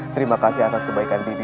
terima kasih atas kebaikan dibi